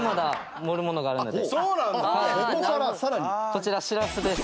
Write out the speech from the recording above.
こちらしらすです。